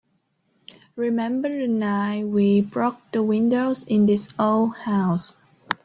Remember the night we broke the windows in this old house?